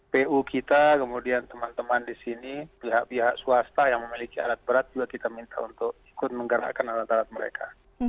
pu kita kemudian teman teman di sini pihak pihak swasta yang memiliki alat berat juga kita minta untuk ikut menggerakkan alat alat mereka